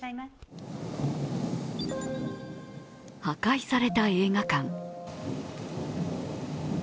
破壊された映画館。